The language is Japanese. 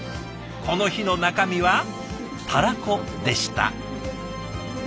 この日の中身はたらこでした。